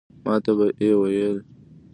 ماته به ئې وې ـ